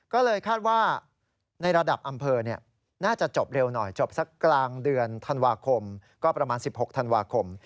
ก็เลยคาดว่าในระดับอำเภอน่าจะจบเร็วหน่อยจบสักกลางเดือนธันวาคมก็ประมาณ๑๖ธันวาคม